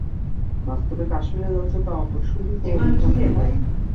বাস্তবে কাশ্মীরে যা হচ্ছে, তা অপ্রাসঙ্গিক ও বিভ্রান্তিকর।